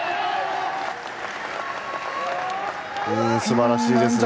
すばらしいですね。